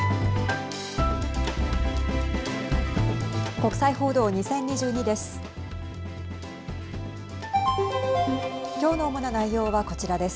国際報道２０２２です。